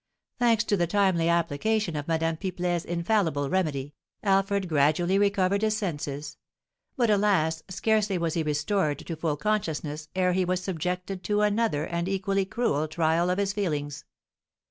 Thanks to the timely application of Madame Pipelet's infallible remedy, Alfred gradually recovered his senses; but, alas, scarcely was he restored to full consciousness ere he was subjected to another and equally cruel trial of his feelings!